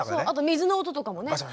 あと水の音とかもね。